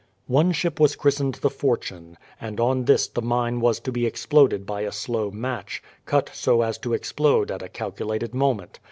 One ship was christened the Fortune, and on this the mine was to be exploded by a slow match, cut so as to explode at a calculated moment.